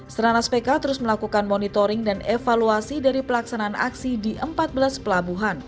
seranas pk terus melakukan monitoring dan evaluasi dari pelaksanaan aksi di empat belas pelabuhan